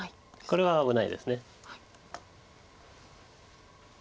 これは危ないです。